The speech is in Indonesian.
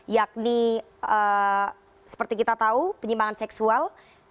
yakni seperti kita tahu penyimpangan seksual